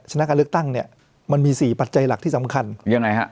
ชนะการเลือกตั้งเนี่ยมันมี๔ปัจจัยหลักที่สำคัญยังไงฮะ